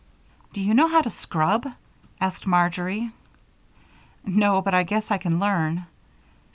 "Do you know how to scrub?" asked Marjory. "No, but I guess I can learn.